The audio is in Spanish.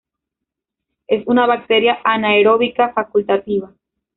Es una bacteria anaeróbica facultativa.